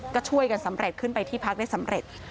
ก็ช่วยกันสำเร็จขึ้นไปที่พักได้สำเร็จ